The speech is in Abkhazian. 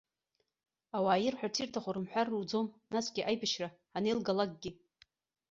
Ауаа ирҳәарц ирҭаху рымҳәар руӡом насгьы, аибашьра анеилгалакгьы.